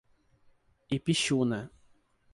Ipixuna